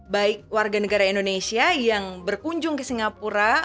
baik warga negara indonesia yang berkunjung ke singapura